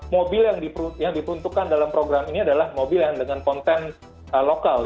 mobil yang diperuntukkan dalam program ini adalah mobil yang dengan konten lokal